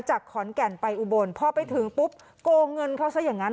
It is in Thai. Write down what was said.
จากขอนแก่นไปอุบลพอไปถึงปุ๊บโกงเงินเขาซะอย่างนั้น